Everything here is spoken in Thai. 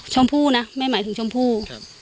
ชมพู่นะแม่หมายถึงชมพู่